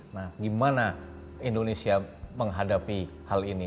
nah gimana indonesia menghadapi hal ini